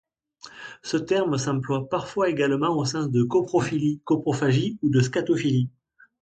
Ce terme s'emploie parfois également au sens de coprophilie, coprophagie ou de scatophilie.